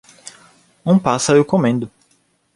Um pássaro comendo.